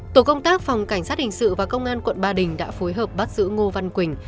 tổ công tác phòng cảnh sát hình sự và công an quận ba đình đã phối hợp bắt giữ ngô văn quỳnh